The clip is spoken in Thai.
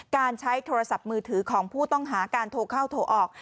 การใช้โทรศัพท์มือถือของผู้ต้องหาการโทรเข้าโทรออก